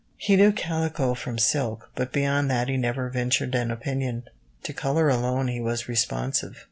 He knew calico from silk, but beyond that he never ventured an opinion. To colour alone he was responsive.